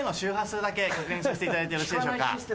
させていただいてよろしいでしょうか？